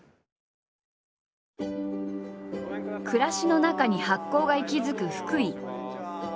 暮らしの中に発酵が息づく福井。